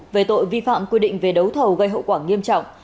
về tội vi phạm quy định về đấu thầu gây hậu quả nghiêm trọng